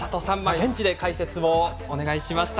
現地で解説をお願いしました。